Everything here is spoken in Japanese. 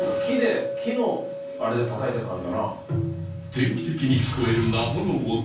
定期的に聞こえる謎の音